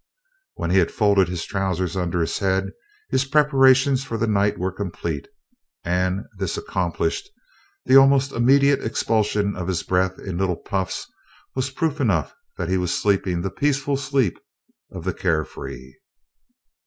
When he had folded his trousers under his head his preparations for the night were complete and, this accomplished, the almost immediate expulsion of his breath in little puffs was proof enough that he was sleeping the peaceful sleep of the carefree.